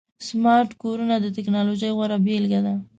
سمارټ کورونه د ټکنالوژۍ غوره بيلګه ده.